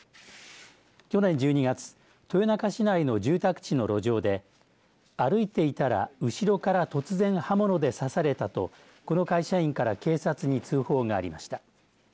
去年１２月豊中市内の住宅地の路上で歩いていたら後ろから突然刃物で刺されたとこの会社員から警察に通報がありました。